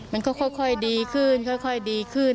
มันก็ค่อยดีขึ้นค่อยดีขึ้น